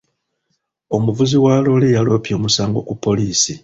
Omuvuzi wa loole yaloopye omusango ku poliisi.